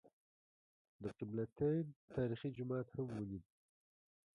د قبله تین تاریخي جومات هم ولېد.